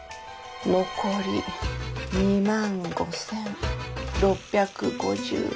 残り２万５，６５８円。